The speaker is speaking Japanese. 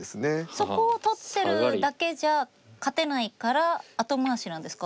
そこを取ってるだけじゃ勝てないから後回しなんですか？